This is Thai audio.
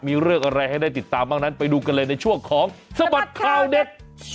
มีเรื่องอะไรให้ได้ติดตามบ้างนั้นไปดูกันเลยในช่วงของสบัดข่าวเด็ก